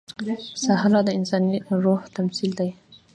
صحرا د انساني روح تمثیل دی.